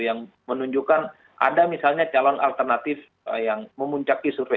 yang menunjukkan ada misalnya calon alternatif yang memuncaki survei